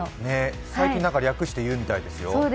最近、なんか略して言うみたいですよ。